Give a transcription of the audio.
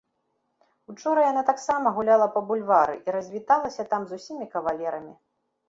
Учора яна таксама гуляла па бульвары і развіталася там з усімі кавалерамі.